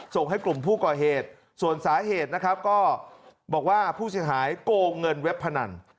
ส่งให้กลุ่มผู้ก่อเหตุส่วนสาเหตุนะครับก็บอกว่าผู้เสียหายโกงเงินเว็บพนัน